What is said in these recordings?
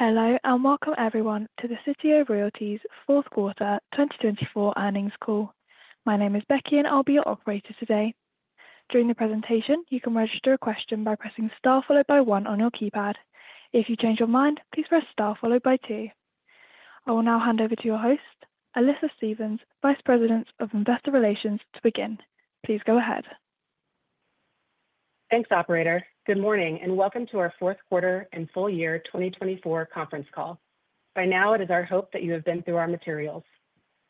Hello and welcome everyone to the Sitio Royalties Fourth Quarter 2024 earnings call. My name is Becky and I'll be your operator today. During the presentation, you can register a question by pressing star followed by one on your keypad. If you change your mind, please press star followed by two. I will now hand over to your host, Alyssa Stephens, Vice President of Investor Relations, to begin. Please go ahead. Thanks, Operator. Good morning and welcome to our Fourth Quarter and Full Year 2024 conference call. By now, it is our hope that you have been through our materials.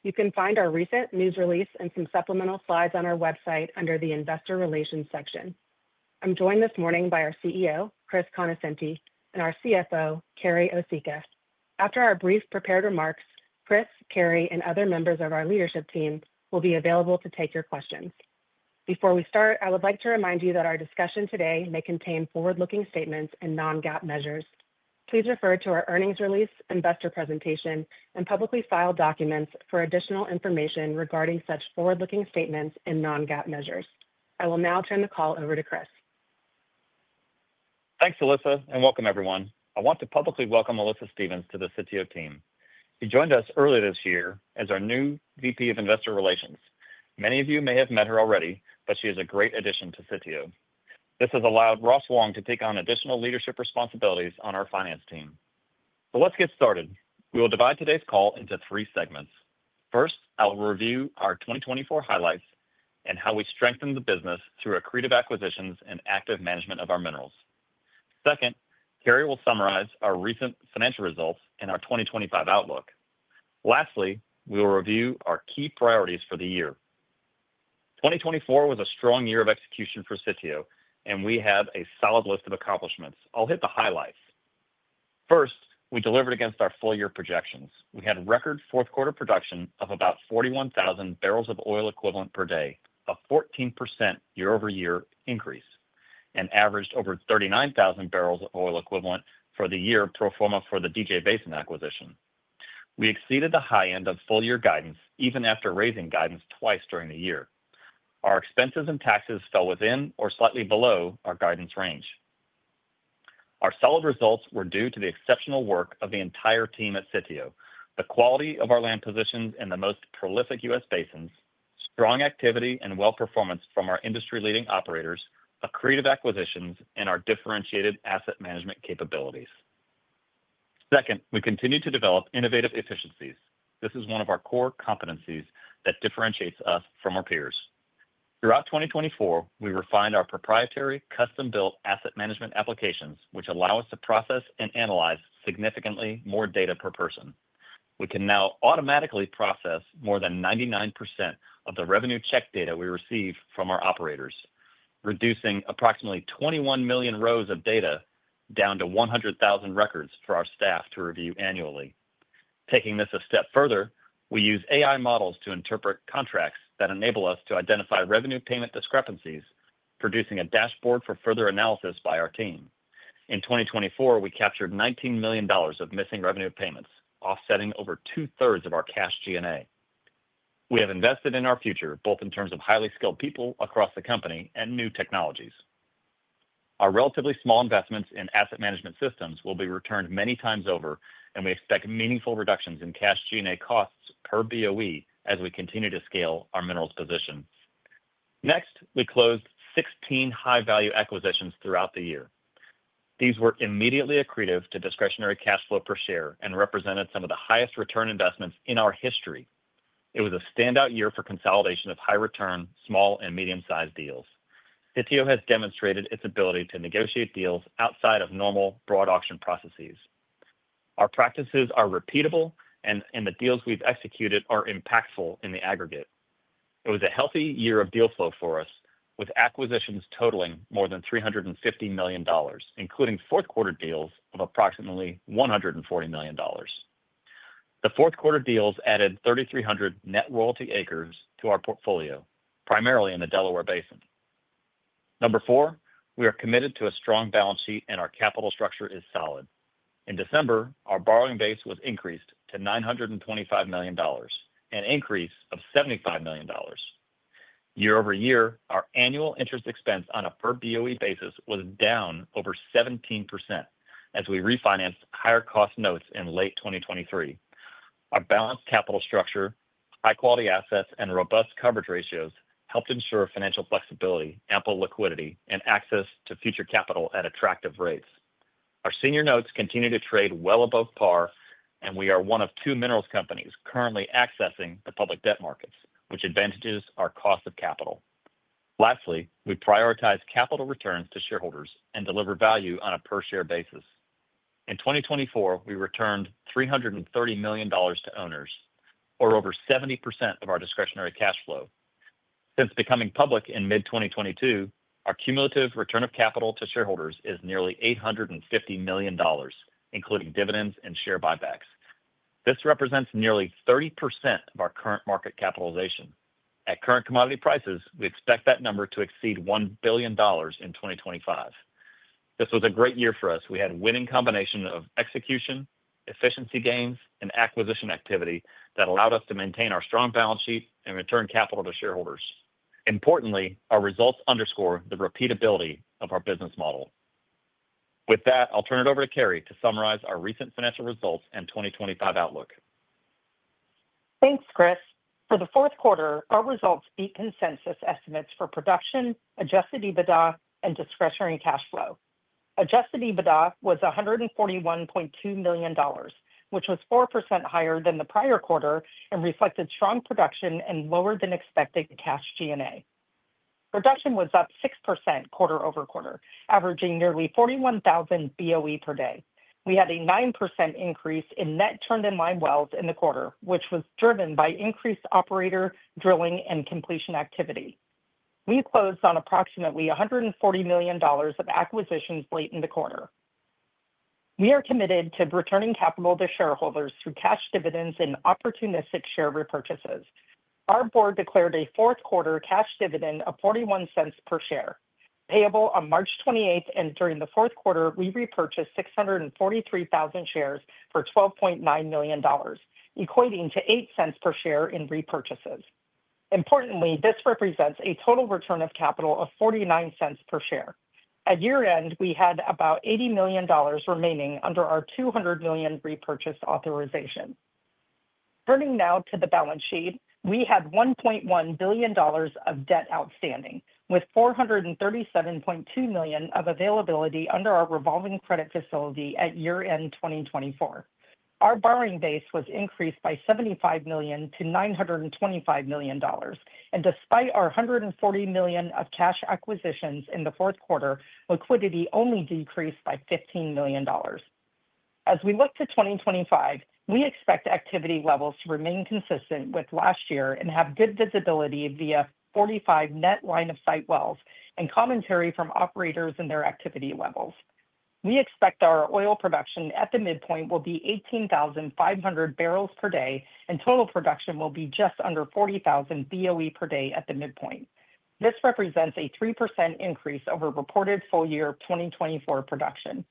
You can find our recent news release and some supplemental slides on our website under the Investor Relations section. I'm joined this morning by our CEO, Chris Conoscenti, and our CFO, Carrie Osicka. After our brief prepared remarks, Chris, Carrie, and other members of our leadership team will be available to take your questions. Before we start, I would like to remind you that our discussion today may contain forward-looking statements and non-GAAP measures. Please refer to our earnings release, investor presentation, and publicly filed documents for additional information regarding such forward-looking statements and non-GAAP measures. I will now turn the call over to Chris. Thanks, Alyssa, and welcome everyone. I want to publicly welcome Alyssa Stephens to the CTO team. She joined us earlier this year as our new VP of Investor Relations. Many of you may have met her already, but she is a great addition to CTO. This has allowed Ross Wong to take on additional leadership responsibilities on our finance team. So let's get started. We will divide today's call into three segments. First, I'll review our 2024 highlights and how we strengthened the business through accretive acquisitions and active management of our minerals. Second, Carrie will summarize our recent financial results and our 2025 outlook. Lastly, we will review our key priorities for the year. 2024 was a strong year of execution for CTO, and we have a solid list of accomplishments. I'll hit the highlights. First, we delivered against our full year projections. We had record fourth quarter production of about 41,000 barrels of oil equivalent per day, a 14% year over year increase, and averaged over 39,000 barrels of oil equivalent for the year pro forma for the DJ Basin acquisition. We exceeded the high end of full year guidance even after raising guidance twice during the year. Our expenses and taxes fell within or slightly below our guidance range. Our solid results were due to the exceptional work of the entire team at CTO, the quality of our land positions in the most prolific U.S. basins, strong activity and well performance from our industry leading operators, accretive acquisitions, and our differentiated asset management capabilities. Second, we continue to develop innovative efficiencies. This is one of our core competencies that differentiates us from our peers. Throughout 2024, we refined our proprietary custom built asset management applications, which allow us to process and analyze significantly more data per person. We can now automatically process more than 99% of the revenue check data we receive from our operators, reducing approximately 21 million rows of data down to 100,000 records for our staff to review annually. Taking this a step further, we use AI models to interpret contracts that enable us to identify revenue payment discrepancies, producing a dashboard for further analysis by our team. In 2024, we captured $19 million of missing revenue payments, offsetting over two thirds of our cash G&A. We have invested in our future both in terms of highly skilled people across the company and new technologies. Our relatively small investments in asset management systems will be returned many times over, and we expect meaningful reductions in Cash G&A costs per BOE as we continue to scale our minerals position. Next, we closed 16 high value acquisitions throughout the year. These were immediately accretive to discretionary cash flow per share and represented some of the highest return investments in our history. It was a standout year for consolidation of high return, small and medium sized deals. CTO has demonstrated its ability to negotiate deals outside of normal broad auction processes. Our practices are repeatable, and the deals we've executed are impactful in the aggregate. It was a healthy year of deal flow for us, with acquisitions totaling more than $350 million, including fourth quarter deals of approximately $140 million. The fourth quarter deals added 3,300 net royalty acres to our portfolio, primarily in the Delaware Basin. Number four, we are committed to a strong balance sheet and our capital structure is solid. In December, our borrowing base was increased to $925 million, an increase of $75 million. Year over year, our annual interest expense on a per BOE basis was down over 17% as we refinanced higher cost notes in late 2023. Our balanced capital structure, high quality assets, and robust coverage ratios helped ensure financial flexibility, ample liquidity, and access to future capital at attractive rates. Our senior notes continue to trade well above par, and we are one of two minerals companies currently accessing the public debt markets, which advantages our cost of capital. Lastly, we prioritize capital returns to shareholders and deliver value on a per share basis. In 2024, we returned $330 million to owners, or over 70% of our discretionary cash flow. Since becoming public in mid-2022, our cumulative return of capital to shareholders is nearly $850 million, including dividends and share buybacks. This represents nearly 30% of our current market capitalization. At current commodity prices, we expect that number to exceed $1 billion in 2025. This was a great year for us. We had a winning combination of execution, efficiency gains, and acquisition activity that allowed us to maintain our strong balance sheet and return capital to shareholders. Importantly, our results underscore the repeatability of our business model. With that, I'll turn it over to Carrie to summarize our recent financial results and 2025 outlook. Thanks, Chris. For the fourth quarter, our results beat consensus estimates for production, Adjusted EBITDA, and discretionary cash flow. Adjusted EBITDA was $141.2 million, which was 4% higher than the prior quarter and reflected strong production and lower than expected Cash G&A. Production was up 6% quarter over quarter, averaging nearly 41,000 BOE per day. We had a 9% increase in net turned-in-line wells in the quarter, which was driven by increased operator drilling and completion activity. We closed on approximately $140 million of acquisitions late in the quarter. We are committed to returning capital to shareholders through cash dividends and opportunistic share repurchases. Our board declared a fourth quarter cash dividend of $0.41 per share. Payable on March 28th, and during the fourth quarter, we repurchased 643,000 shares for $12.9 million, equating to $0.08 per share in repurchases. Importantly, this represents a total return of capital of $0.49 per share. At year-end, we had about $80 million remaining under our $200 million repurchase authorization. Turning now to the balance sheet, we had $1.1 billion of debt outstanding, with $437.2 million of availability under our revolving credit facility at year-end 2024. Our borrowing base was increased by $75 million to $925 million, and despite our $140 million of cash acquisitions in the fourth quarter, liquidity only decreased by $15 million. As we look to 2025, we expect activity levels to remain consistent with last year and have good visibility via 45 net line of sight wells and commentary from operators and their activity levels. We expect our oil production at the midpoint will be 18,500 barrels per day, and total production will be just under 40,000 BOE per day at the midpoint. This represents a 3% increase over reported full year 2024 production.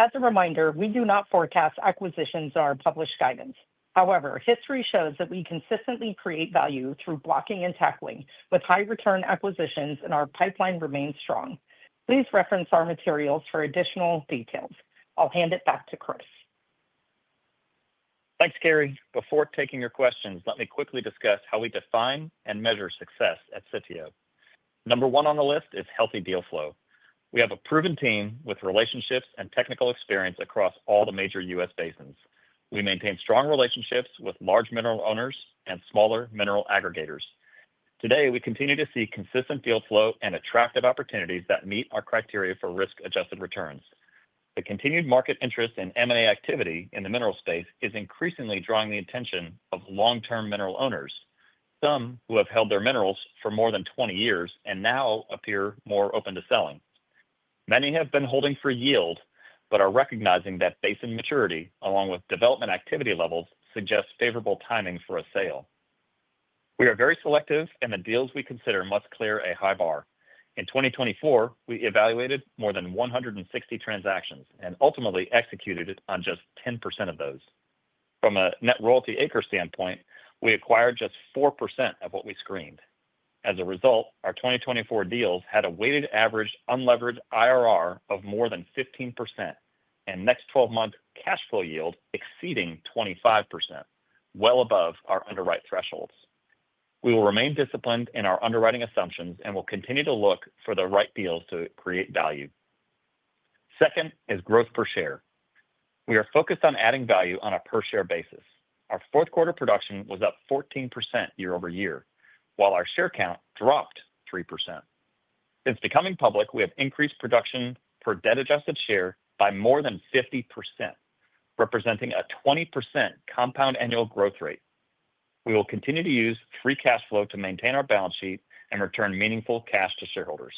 As a reminder, we do not forecast acquisitions in our published guidance. However, history shows that we consistently create value through blocking and tackling, with high return acquisitions and our pipeline remains strong. Please reference our materials for additional details. I'll hand it back to Chris. Thanks, Carrie. Before taking your questions, let me quickly discuss how we define and measure success at Sitio. Number one on the list is healthy deal flow. We have a proven team with relationships and technical experience across all the major U.S. basins. We maintain strong relationships with large mineral owners and smaller mineral aggregators. Today, we continue to see consistent deal flow and attractive opportunities that meet our criteria for risk adjusted returns. The continued market interest in M&A activity in the mineral space is increasingly drawing the attention of long-term mineral owners, some who have held their minerals for more than 20 years and now appear more open to selling. Many have been holding for yield, but are recognizing that basin maturity, along with development activity levels, suggests favorable timing for a sale. We are very selective, and the deals we consider must clear a high bar. In 2024, we evaluated more than 160 transactions and ultimately executed on just 10% of those. From a net royalty acre standpoint, we acquired just 4% of what we screened. As a result, our 2024 deals had a weighted average unleveraged IRR of more than 15% and next 12 months cash flow yield exceeding 25%, well above our underwrite thresholds. We will remain disciplined in our underwriting assumptions and will continue to look for the right deals to create value. Second is growth per share. We are focused on adding value on a per share basis. Our fourth quarter production was up 14% year over year, while our share count dropped 3%. Since becoming public, we have increased production per debt adjusted share by more than 50%, representing a 20% compound annual growth rate. We will continue to use free cash flow to maintain our balance sheet and return meaningful cash to shareholders.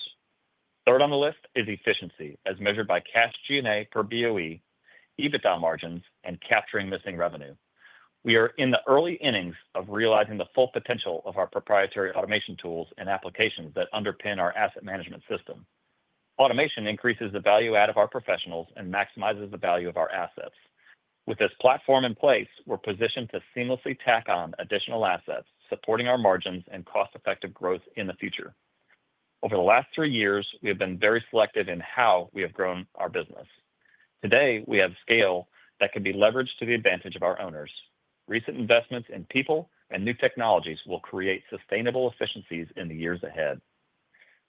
Third on the list is efficiency, as measured by Cash G&A per BOE, EBITDA margins, and capturing missing revenue. We are in the early innings of realizing the full potential of our proprietary automation tools and applications that underpin our asset management system. Automation increases the value add of our professionals and maximizes the value of our assets. With this platform in place, we're positioned to seamlessly tack on additional assets, supporting our margins and cost effective growth in the future. Over the last three years, we have been very selective in how we have grown our business. Today, we have scale that can be leveraged to the advantage of our owners. Recent investments in people and new technologies will create sustainable efficiencies in the years ahead.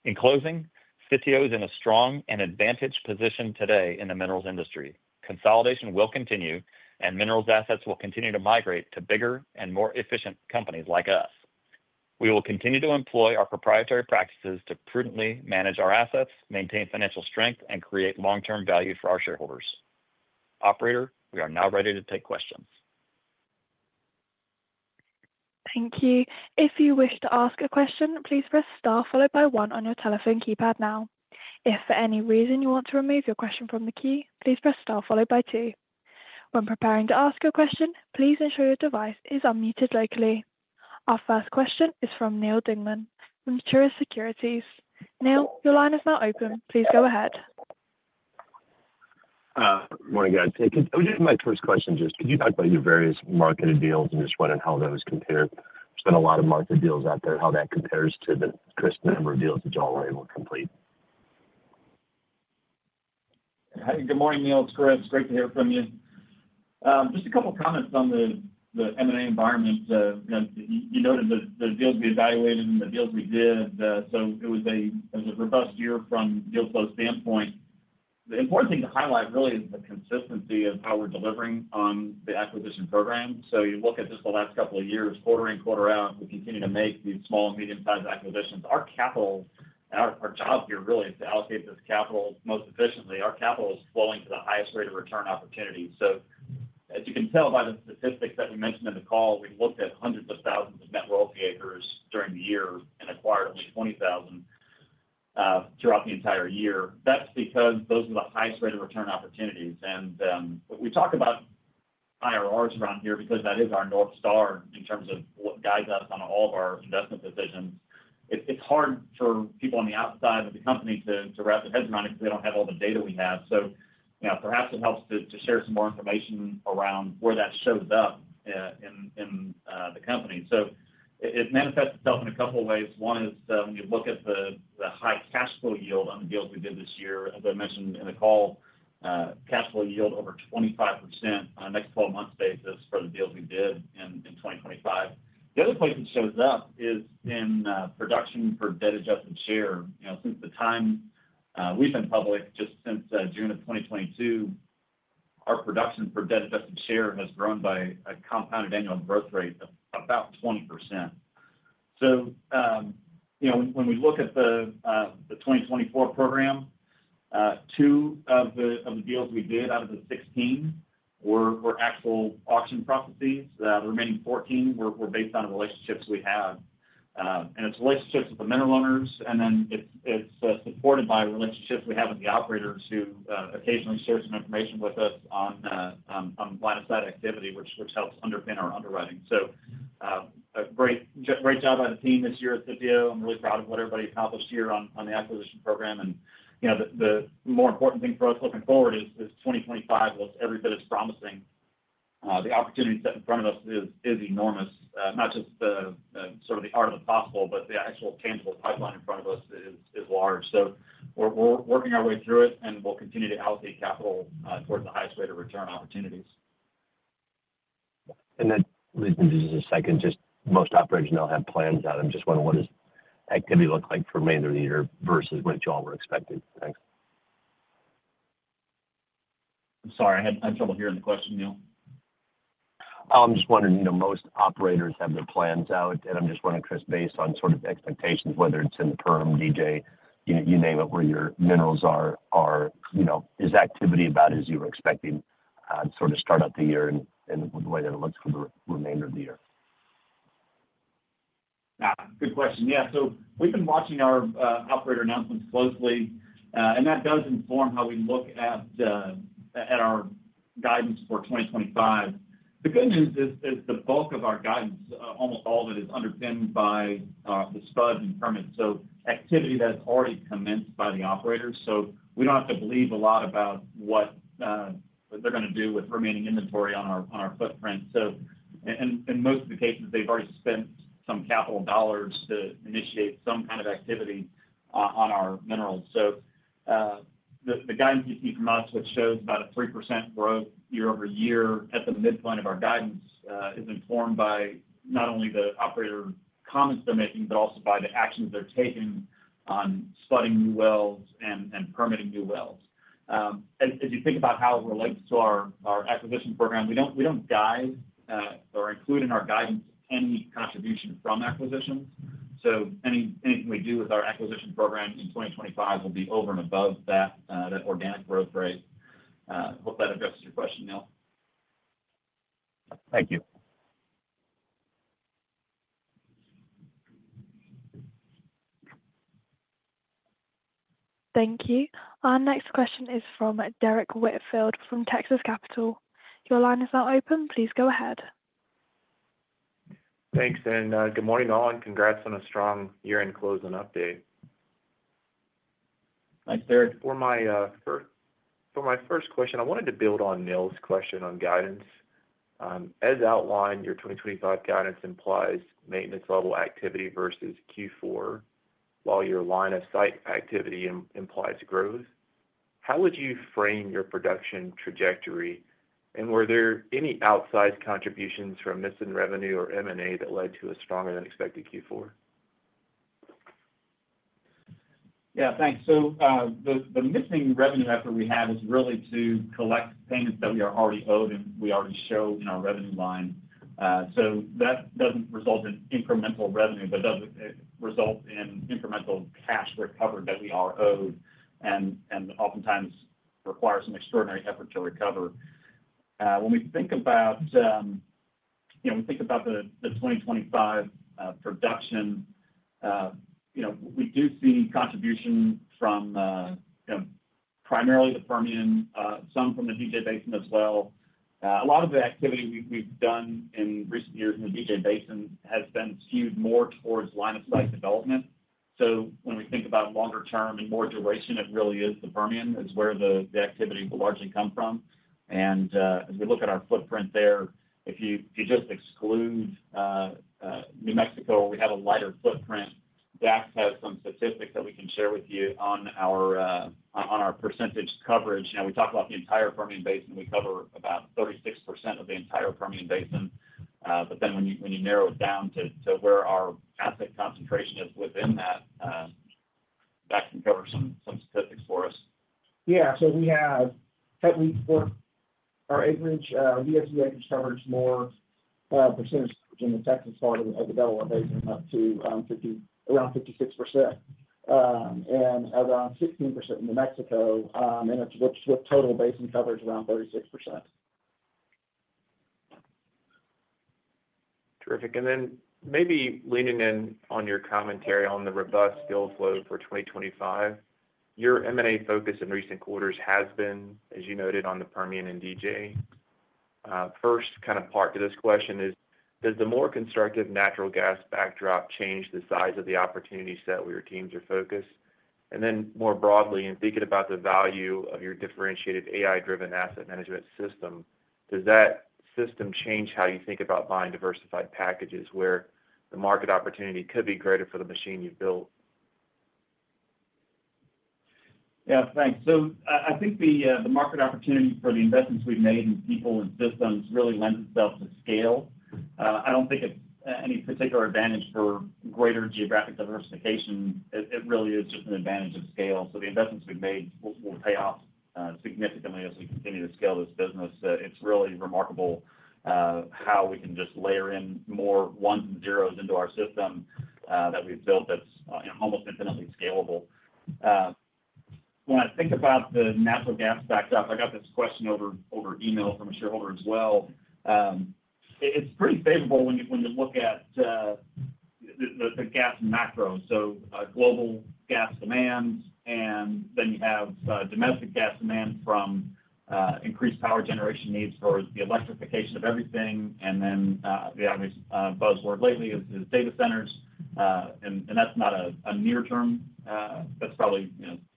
In closing, Sitio is in a strong and advantageous position today in the minerals industry. Consolidation will continue, and minerals assets will continue to migrate to bigger and more efficient companies like us. We will continue to employ our proprietary practices to prudently manage our assets, maintain financial strength, and create long-term value for our shareholders. Operator, we are now ready to take questions. Thank you. If you wish to ask a question, please press star followed by one on your telephone keypad now. If for any reason you want to remove your question from the queue, please press star followed by two. When preparing to ask a question, please ensure your device is unmuted locally. Our first question is from Neil Dingman from Truist Securities. Neil, your line is now open. Please go ahead. Morning, guys. It was just my first question. Just could you talk about your various marketed deals and just what and how those compare? There's been a lot of marketed deals out there, how that compares to the number of deals that y'all were able to complete? Hey, good morning, Neil, Chris. Great to hear from you. Just a couple of comments on the M&A environment. You noted the deals we evaluated and the deals we did. So it was a robust year from deal flow standpoint. The important thing to highlight really is the consistency of how we're delivering on the acquisition program. So you look at just the last couple of years, quarter in, quarter out, we continue to make these small and medium sized acquisitions. Our job here really is to allocate this capital most efficiently. Our capital is flowing to the highest rate of return opportunity. So as you can tell by the statistics that we mentioned in the call, we've looked at hundreds of thousands of net royalty acres during the year and acquired only 20,000 throughout the entire year. That's because those are the highest rate of return opportunities. We talk about IRRs around here because that is our north star in terms of what guides us on all of our investment decisions. It's hard for people on the outside of the company to wrap their heads around it because they don't have all the data we have. Perhaps it helps to share some more information around where that shows up in the company. It manifests itself in a couple of ways. One is when you look at the high cash flow yield on the deals we did this year. As I mentioned in the call, cash flow yield over 25% on a next 12 months basis for the deals we did in 2025. The other place it shows up is in production for debt adjusted share. Since the time we've been public, just since June of 2022, our production for debt adjusted share has grown by a compounded annual growth rate of about 20%. So when we look at the 2024 program, two of the deals we did out of the 16 were actual auction processes. The remaining 14 were based on relationships we have. And it's relationships with the mineral owners, and then it's supported by relationships we have with the operators who occasionally share some information with us on line of sight activity, which helps underpin our underwriting. So a great job by the team this year at Sitio. I'm really proud of what everybody accomplished here on the acquisition program. And the more important thing for us looking forward is 2025 looks every bit as promising. The opportunity set in front of us is enormous. Not just sort of the art of the possible, but the actual tangible pipeline in front of us is large. So we're working our way through it, and we'll continue to allocate capital towards the highest rate of return opportunities. And then, just a second. Just, most operators now have plans out. I'm just wondering what does activity look like for May and the latter versus what y'all were expecting. Thanks. I'm sorry, I had trouble hearing the question, Neil. I'm just wondering, most operators have their plans out, and I'm just wondering, Chris, based on sort of expectations, whether it's in the Perm DJ, you name it, where your minerals are, is activity about as you were expecting to sort of start up the year and the way that it looks for the remainder of the year? Good question. Yeah. So we've been watching our operator announcements closely, and that does inform how we look at our guidance for 2025. The good news is the bulk of our guidance, almost all of it, is underpinned by the spud and permits. So activity that's already commenced by the operators. So we don't have to believe a lot about what they're going to do with remaining inventory on our footprint. And in most of the cases, they've already spent some capital dollars to initiate some kind of activity on our minerals. So the guidance you see from us, which shows about a 3% growth year over year at the midpoint of our guidance, is informed by not only the operator comments they're making, but also by the actions they're taking on spudding new wells and permitting new wells. As you think about how it relates to our acquisition program, we don't guide or include in our guidance any contribution from acquisitions. So anything we do with our acquisition program in 2025 will be over and above that organic growth rate. Hope that addresses your question, Neil. Thank you. Thank you. Our next question is from Derek Whitfield from Texas Capital. Your line is now open. Please go ahead. Thanks and good morning, all, and congrats on a strong year-end closing update. Thanks, Derek. For my first question, I wanted to build on Neil's question on guidance. As outlined, your 2025 guidance implies maintenance level activity versus Q4, while your line of sight activity implies growth. How would you frame your production trajectory, and were there any outsized contributions from missing revenue or M&A that led to a stronger than expected Q4? Yeah, thanks. So the missing revenue effort we have is really to collect payments that we are already owed, and we already show in our revenue line. So that doesn't result in incremental revenue, but does result in incremental cash recovered that we are owed and oftentimes requires some extraordinary effort to recover. When we think about the 2025 production, we do see contribution from primarily the Permian, some from the DJ Basin as well. A lot of the activity we've done in recent years in the DJ Basin has been skewed more towards line of sight development. So when we think about longer term and more duration, it really is the Permian is where the activity will largely come from. As we look at our footprint there, if you just exclude New Mexico, we have a lighter footprint. Dax has some statistics that we can share with you on our percentage coverage. We talk about the entire Permian Basin. We cover about 36% of the entire Permian Basin. But then when you narrow it down to where our asset concentration is within that, that can cover some statistics for us. Yeah. So we have our acreage, U.S. acreage coverage, more percentage in the Texas part of the Delaware Basin up to around 56% and around 16% in New Mexico, and it's with total basin coverage around 36%. Terrific. And then maybe leaning in on your commentary on the robust deal flow for 2025, your M&A focus in recent quarters has been, as you noted, on the Permian and DJ. First kind of part to this question is, does the more constructive natural gas backdrop change the size of the opportunities that your teams are focused? And then more broadly, in thinking about the value of your differentiated AI-driven asset management system, does that system change how you think about buying diversified packages where the market opportunity could be greater for the machine you've built? Yeah, thanks. So I think the market opportunity for the investments we've made in people and systems really lends itself to scale. I don't think it's any particular advantage for greater geographic diversification. It really is just an advantage of scale. So the investments we've made will pay off significantly as we continue to scale this business. It's really remarkable how we can just layer in more ones and zeros into our system that we've built that's almost infinitely scalable. When I think about the natural gas backdrop, I got this question over email from a shareholder as well. It's pretty favorable when you look at the gas macro. So global gas demand, and then you have domestic gas demand from increased power generation needs for the electrification of everything. And that's not a near term. That's probably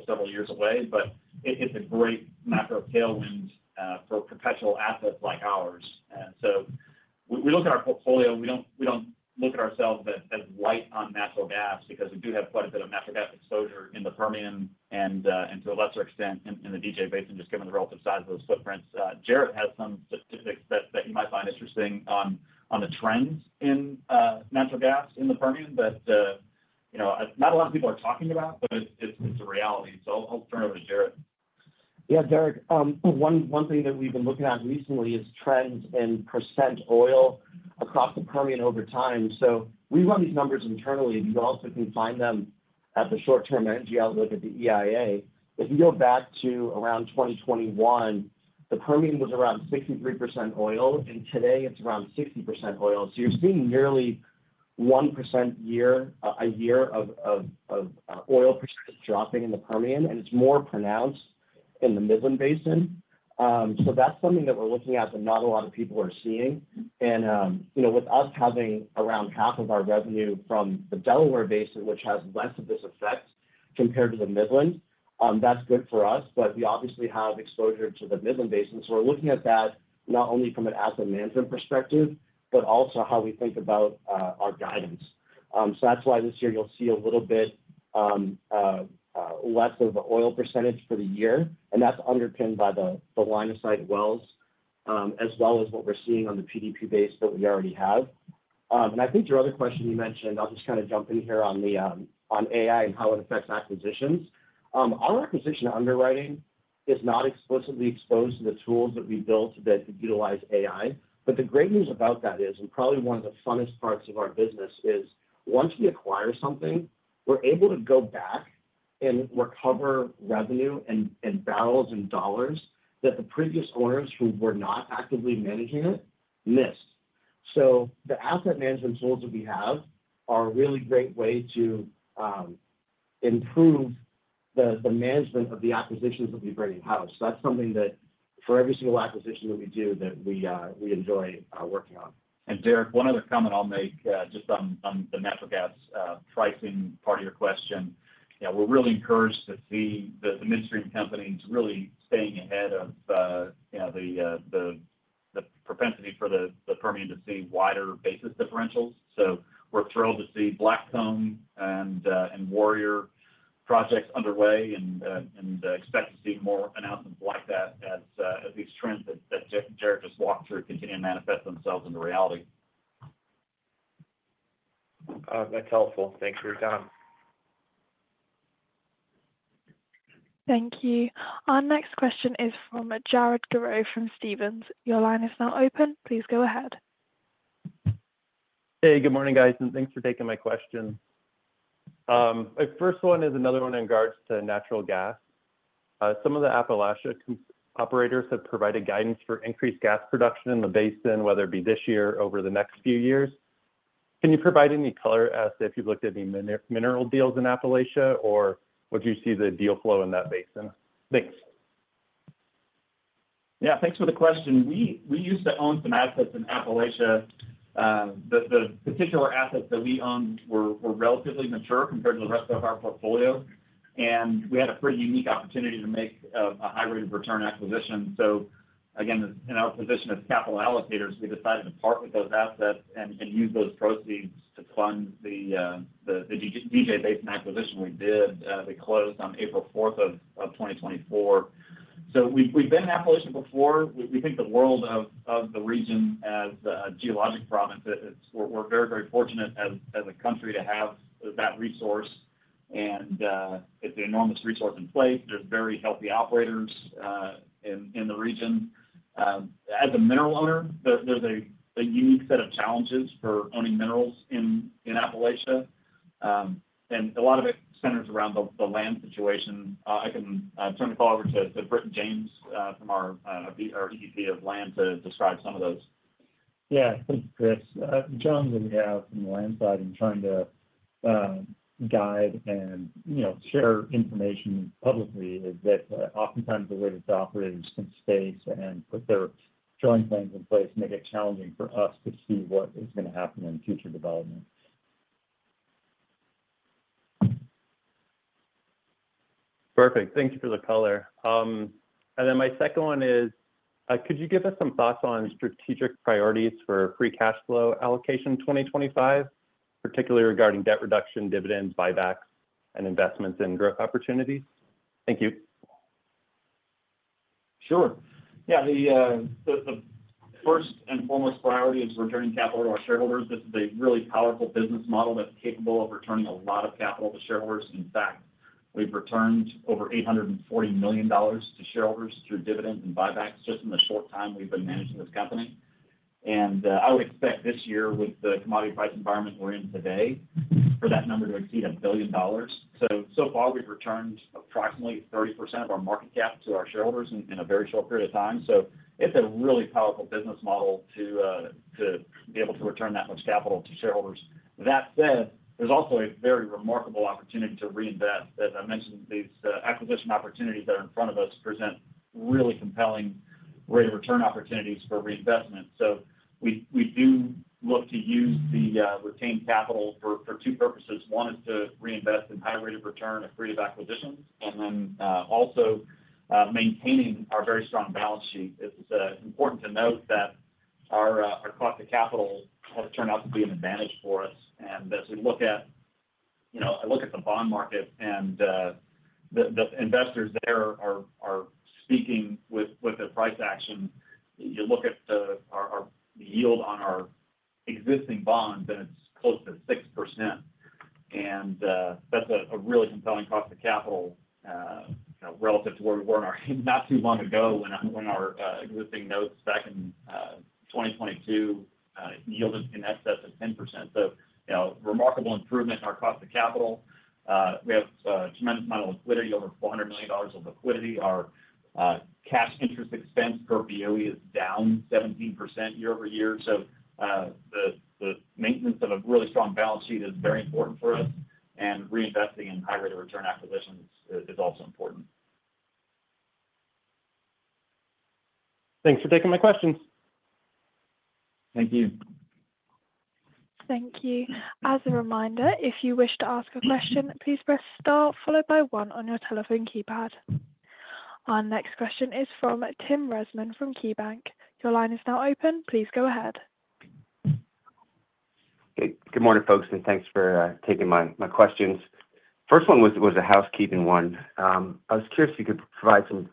several years away, but it's a great macro tailwind for perpetual assets like ours. So we look at our portfolio. We don't look at ourselves as light on natural gas because we do have quite a bit of natural gas exposure in the Permian and to a lesser extent in the DJ Basin, just given the relative size of those footprints. Jarret has some statistics that you might find interesting on the trends in natural gas in the Permian that not a lot of people are talking about, but it's a reality. So I'll turn it over to Jarret. Yeah, Derek. One thing that we've been looking at recently is trends in percent oil across the Permian over time. So we run these numbers internally. You also can find them at the short-term energy outlook at the EIA. If you go back to around 2021, the Permian was around 63% oil, and today it's around 60% oil. So you're seeing nearly 1% a year of oil percentage dropping in the Permian, and it's more pronounced in the Midland Basin. So that's something that we're looking at that not a lot of people are seeing. And with us having around half of our revenue from the Delaware Basin, which has less of this effect compared to the Midland, that's good for us, but we obviously have exposure to the Midland Basin. So we're looking at that not only from an asset management perspective, but also how we think about our guidance. So that's why this year you'll see a little bit less of the oil percentage for the year, and that's underpinned by the line of sight wells, as well as what we're seeing on the PDP base that we already have. And I think your other question you mentioned, I'll just kind of jump in here on AI and how it affects acquisitions. Our acquisition underwriting is not explicitly exposed to the tools that we built that utilize AI. But the great news about that is, and probably one of the funnest parts of our business, is once we acquire something, we're able to go back and recover revenue and barrels and dollars that the previous owners who were not actively managing it missed. The asset management tools that we have are a really great way to improve the management of the acquisitions that we bring in-house. That's something that for every single acquisition that we do that we enjoy working on. And Derek, one other comment I'll make just on the natural gas pricing part of your question. We're really encouraged to see the midstream companies really staying ahead of the propensity for the Permian to see wider basis differentials. So we're thrilled to see Blackcomb and Warrior projects underway and expect to see more announcements like that as these trends that Jarret just walked through continue to manifest themselves into reality. That's helpful. Thanks for your time. Thank you. Our next question is from Jarrod Giroue from Stephens. Your line is now open. Please go ahead. Hey, good morning, guys, and thanks for taking my question. My first one is another one in regards to natural gas. Some of the Appalachia operators have provided guidance for increased gas production in the basin, whether it be this year or over the next few years. Can you provide any color as to if you've looked at any mineral deals in Appalachia, or would you see the deal flow in that basin? Thanks. Yeah, thanks for the question. We used to own some assets in Appalachia. The particular assets that we owned were relatively mature compared to the rest of our portfolio, and we had a pretty unique opportunity to make a high rate of return acquisition. So again, in our position as capital allocators, we decided to part with those assets and use those proceeds to fund the DJ Basin acquisition we did. They closed on April 4th of 2024. So we've been in Appalachia before. We think the world of the region as a geologic province, we're very, very fortunate as a country to have that resource, and it's an enormous resource in place. There's very healthy operators in the region. As a mineral owner, there's a unique set of challenges for owning minerals in Appalachia, and a lot of it centers around the land situation. I can turn the call over to Britton James from our SVP of Land to describe some of those. Yeah, thanks, Chris. One's in the land side and trying to guide and share information publicly is that oftentimes the way that the operators can space and put their drilling plans in place makes it challenging for us to see what is going to happen in future development. Perfect. Thank you for the color. And then my second one is, could you give us some thoughts on strategic priorities for free cash flow allocation 2025, particularly regarding debt reduction, dividends, buybacks, and investments in growth opportunities? Thank you. Sure. Yeah, the first and foremost priority is returning capital to our shareholders. This is a really powerful business model that's capable of returning a lot of capital to shareholders. In fact, we've returned over $840 million to shareholders through dividends and buybacks just in the short time we've been managing this company, and I would expect this year, with the commodity price environment we're in today, for that number to exceed $1 billion. So far, we've returned approximately 30% of our market cap to our shareholders in a very short period of time, so it's a really powerful business model to be able to return that much capital to shareholders. That said, there's also a very remarkable opportunity to reinvest. As I mentioned, these acquisition opportunities that are in front of us present really compelling rate of return opportunities for reinvestment. We do look to use the retained capital for two purposes. One is to reinvest in high rate of return accretive acquisitions, and then also maintaining our very strong balance sheet. It's important to note that our cost of capital has turned out to be an advantage for us. And as we look at the bond market, and the investors there are speaking with their price action. You look at the yield on our existing bonds, and it's close to 6%. And that's a really compelling cost of capital relative to where we were not too long ago when our existing notes back in 2022 yielded in excess of 10%. So remarkable improvement in our cost of capital. We have a tremendous amount of liquidity. Over $400 million of liquidity. Our cash interest expense per BOE is down 17% year over year. The maintenance of a really strong balance sheet is very important for us, and reinvesting in high rate of return acquisitions is also important. Thanks for taking my questions. Thank you. Thank you. As a reminder, if you wish to ask a question, please press star followed by one on your telephone keypad. Our next question is from Tim Rezvan from KeyBanc Capital Markets. Your line is now open. Please go ahead. Good morning, folks, and thanks for taking my questions. First one was a housekeeping one. I was curious if you could provide some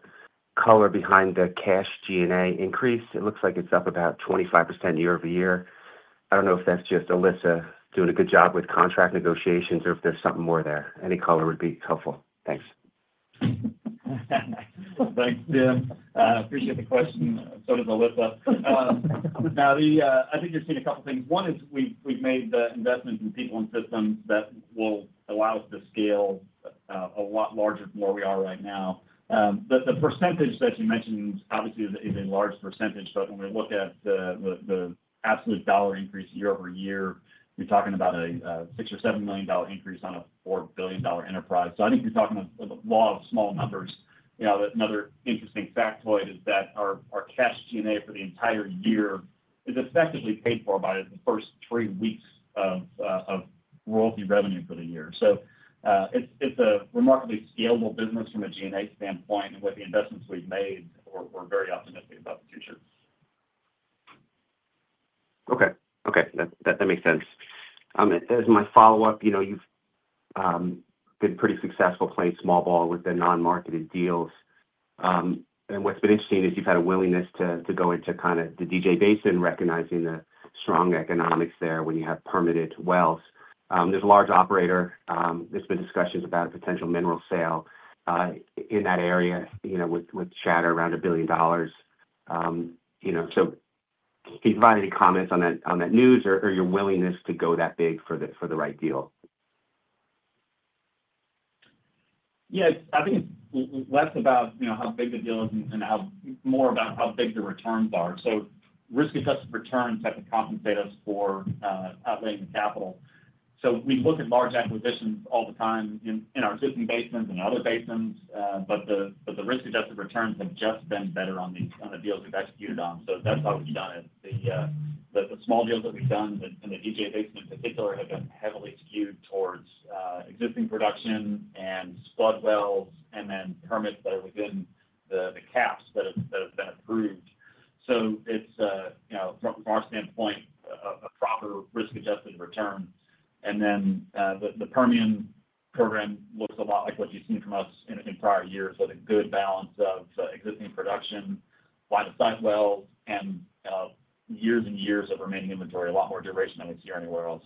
color behind the cash G&A increase. It looks like it's up about 25% year over year. I don't know if that's just Alyssa doing a good job with contract negotiations or if there's something more there. Any color would be helpful. Thanks. Thanks, Tim. Appreciate the question. So does Alyssa. Now, I think you've seen a couple of things. One is we've made the investments in people and systems that will allow us to scale a lot larger than where we are right now. The percentage that you mentioned, obviously, is a large percentage, but when we look at the absolute dollar increase year over year, we're talking about a $6-$7 million increase on a $4 billion enterprise. So I think you're talking about a lot of small numbers. Another interesting factoid is that our cash G&A for the entire year is effectively paid for by the first three weeks of royalty revenue for the year. So it's a remarkably scalable business from a G&A standpoint, and with the investments we've made, we're very optimistic about the future. Okay. Okay. That makes sense. As my follow-up, you've been pretty successful playing small ball with the non-marketed deals. And what's been interesting is you've had a willingness to go into kind of the DJ Basin, recognizing the strong economics there when you have permitted wells. There's a large operator. There's been discussions about a potential mineral sale in that area with Chad around $1 billion. So can you provide any comments on that news or your willingness to go that big for the right deal? Yeah. I think it's less about how big the deal is and more about how big the returns are. So risk-adjusted returns have to compensate us for outlaying the capital. So we look at large acquisitions all the time in our existing basins and other basins, but the risk-adjusted returns have just been better on the deals we've executed on. So that's how we've done it. The small deals that we've done in the DJ Basin in particular have been heavily skewed towards existing production and flood wells and then permits that are within the pads that have been approved. So from our standpoint, a proper risk-adjusted return. And then the Permian program looks a lot like what you've seen from us in prior years with a good balance of existing production, buy-to-spud wells, and years and years of remaining inventory, a lot more duration than we see anywhere else.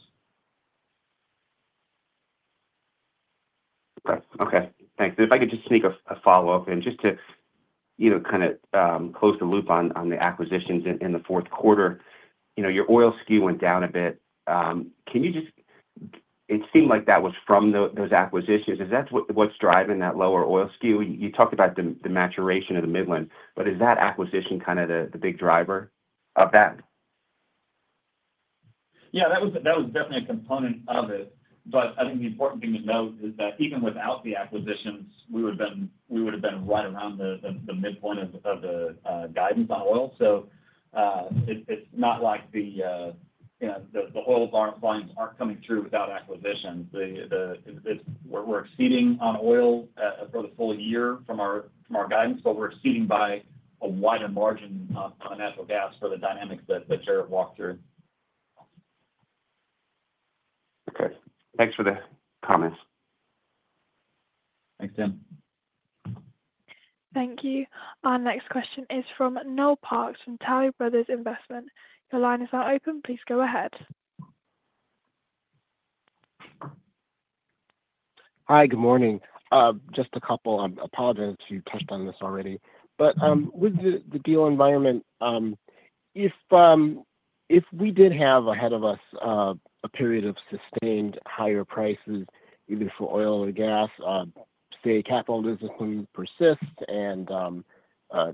Okay. Okay. Thanks. And if I could just make a follow-up and just to kind of close the loop on the acquisitions in the fourth quarter, your oil skew went down a bit. Can you just—it seemed like that was from those acquisitions. Is that what's driving that lower oil skew? You talked about the maturation of the Midland, but is that acquisition kind of the big driver of that? Yeah, that was definitely a component of it. But I think the important thing to note is that even without the acquisitions, we would have been right around the midpoint of the guidance on oil. So it's not like the oil volumes aren't coming through without acquisitions. We're exceeding on oil for the full year from our guidance, but we're exceeding by a wider margin on natural gas for the dynamics that Jarret walked through. Okay. Thanks for the comments. Thanks, Tim. Thank you. Our next question is from Noel Parks from Tuohy Brothers Investment. Your line is now open. Please go ahead. Hi, good morning. Just a couple. I apologize if you touched on this already. But with the deal environment, if we did have ahead of us a period of sustained higher prices, either for oil or gas, say, capitalism persists and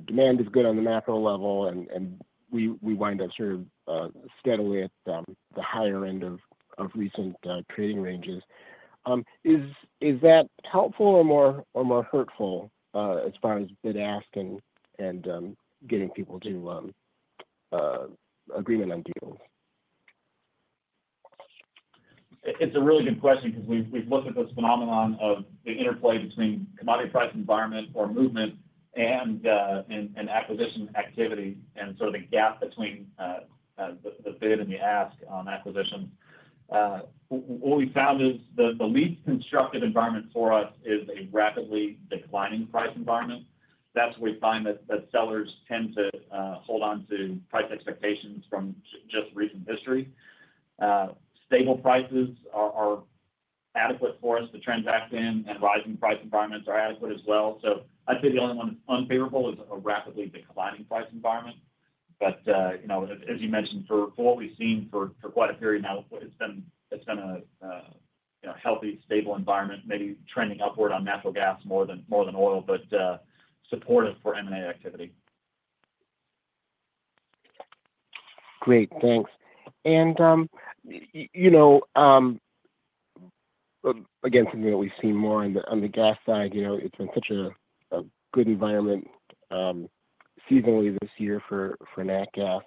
demand is good on the macro level, and we wind up sort of steadily at the higher end of recent trading ranges, is that helpful or more hurtful as far as bid-ask and getting people to agreement on deals? It's a really good question because we've looked at this phenomenon of the interplay between commodity price environment or movement and acquisition activity and sort of the gap between the bid and the ask on acquisitions. What we found is the least constructive environment for us is a rapidly declining price environment. That's where we find that sellers tend to hold on to price expectations from just recent history. Stable prices are adequate for us to transact in, and rising price environments are adequate as well. So I'd say the only one that's unfavorable is a rapidly declining price environment. But as you mentioned, for what we've seen for quite a period now, it's been a healthy, stable environment, maybe trending upward on natural gas more than oil, but supportive for M&A activity. Great. Thanks. And again, something that we've seen more on the gas side, it's been such a good environment seasonally this year for natural gas.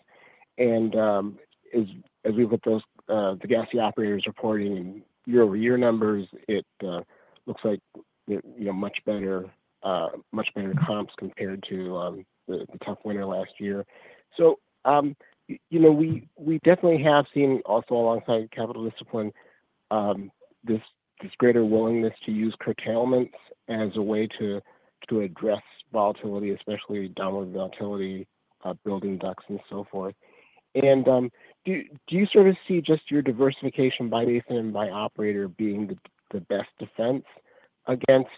And as we look at the gas operators reporting year-over-year numbers, it looks like much better comps compared to the tough winter last year. So we definitely have seen, also alongside capital discipline, this greater willingness to use curtailments as a way to address volatility, especially downward volatility, building ducks, and so forth. And do you sort of see just your diversification by basin and by operator being the best defense against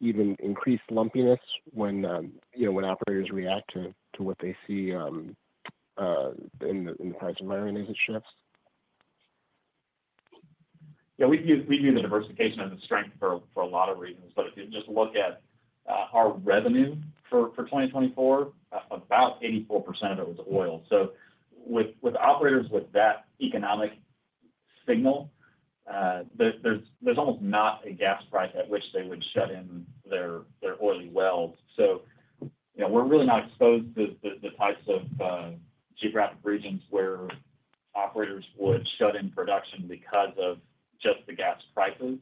even increased lumpiness when operators react to what they see in the price environment as it shifts? Yeah. We view the diversification as a strength for a lot of reasons. But if you just look at our revenue for 2024, about 84% of it was oil. So, with operators, with that economic signal, there's almost not a gas price at which they would shut in their oily wells. So we're really not exposed to the types of geographic regions where operators would shut in production because of just the gas prices.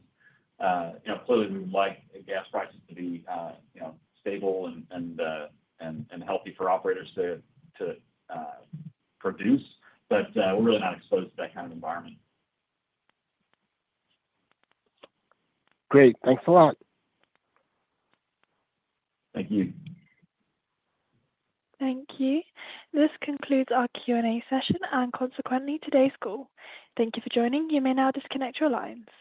Clearly, we would like gas prices to be stable and healthy for operators to produce, but we're really not exposed to that kind of environment. Great. Thanks a lot. Thank you. Thank you. This concludes our Q&A session and, consequently, today's call. Thank you for joining. You may now disconnect your lines.